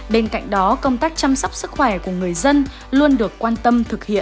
bên cạnh đó công tác chăm sóc sức khỏe của người dân luôn được quan tâm thực hiện